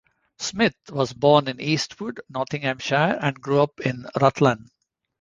Smith was born in Eastwood, Nottinghamshire and grew up in Rutland.